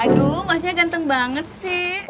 aduh masnya ganteng banget sih